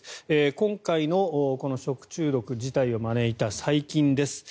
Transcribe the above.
今回の、この食中毒事態を招いた細菌です。